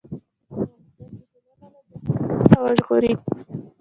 هغه غوښتل چې ټولنه له جهالت څخه وژغوري.